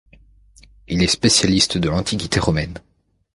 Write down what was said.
Il est spécialiste de l'Antiquité romaine.